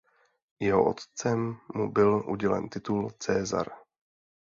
Jeho otcem mu byl udělen titul "Caesar".